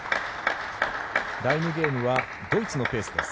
第２ゲームはドイツのペースです。